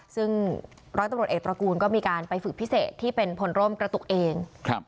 ซึ่งร้อยตำรวจเอกตระกูลก็มีการไปฝึกพิเศษที่เป็นพลร่มกระตุกเอง